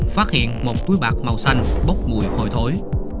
phát hiện một túi bạc màu xanh bốc mùi hôi thối